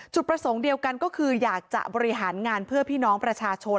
ประสงค์เดียวกันก็คืออยากจะบริหารงานเพื่อพี่น้องประชาชน